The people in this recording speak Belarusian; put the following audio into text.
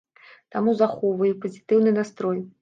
Таму захоўваю пазітыўны настрой.